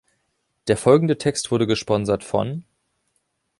Der folgende Text wurde gesponsert von...